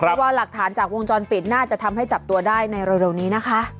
เพราะว่าหลักฐานจากวงจรปิดน่าจะทำให้จับตัวได้ในเร็วนี้นะคะ